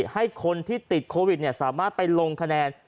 ให้คนที่ติดโควิดสามารถไปลงคะแนน